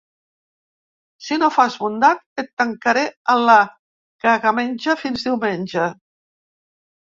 Si no fas bondat, et tancaré a la cagamenja fins diumenge.